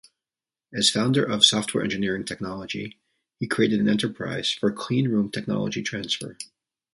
As founder of Software Engineering Technology, he created an enterprise for Cleanroom technology transfer.